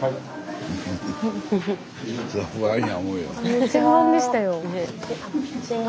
めっちゃ不安でしたよ。